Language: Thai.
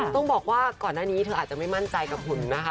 ต้องบอกว่าก่อนหน้านี้เธออาจจะไม่มั่นใจกับหุ่นนะคะ